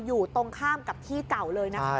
อยู่ตรงข้ามกับที่เก่าเลยนะคะ